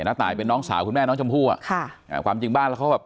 ตายเป็นน้องสาวคุณแม่น้องชมพู่อ่ะค่ะอ่าความจริงบ้านแล้วเขาแบบ